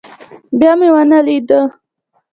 بيا مې ونه ليده.